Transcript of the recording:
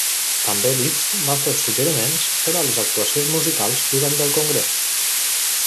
També Liszt va fer suggeriments per a les actuacions musicals durant el Congrés.